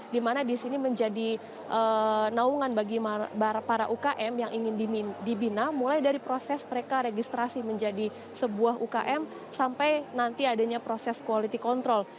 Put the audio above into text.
di mana di sini menjadi naungan bagi para umkm yang ingin dibina mulai dari proses mereka registrasi menjadi sebuah umkm sampai nanti adanya proses quality control